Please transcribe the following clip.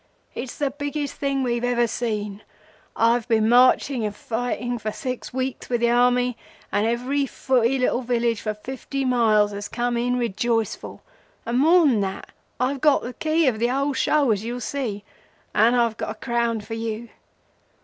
It's the biggest thing we've ever seen. I've been marching and fighting for six weeks with the Army, and every footy little village for fifty miles has come in rejoiceful; and more than that, I've got the key of the whole show, as you'll see, and I've got a crown for you!